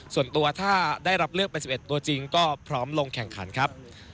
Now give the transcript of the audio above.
ส่วนตัวถ้าได้รับเลือกเป็น๑๑ตัวจริงก็พร้อมลงแข่งขันครับ